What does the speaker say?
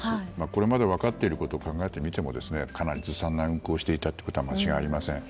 これまで分かっていることを考えてみてもかなりずさんな運航をしていたことは間違いありません。